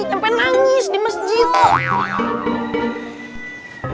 sampai nangis di masjid